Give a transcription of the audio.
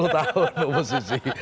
sepuluh tahun oposisi